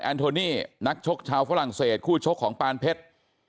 โทนี่นักชกชาวฝรั่งเศสคู่ชกของปานเพชร